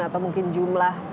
atau mungkin jumlah